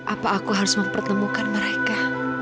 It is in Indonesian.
apa aku harus mempertemukan mereka